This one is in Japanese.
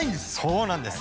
そうなんです。